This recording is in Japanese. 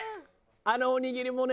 あのおにぎりもね